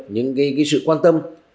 những sự quan tâm